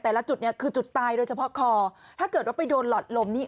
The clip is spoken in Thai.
แต่ละจุดเนี่ยคือจุดตายโดยเฉพาะคอถ้าเกิดว่าไปโดนหลอดลมนี่